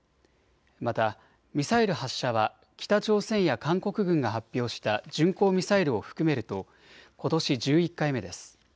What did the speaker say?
またミサイル発射は北朝鮮や韓国軍が発表した巡航ミサイルを含めるとことし１１回目です。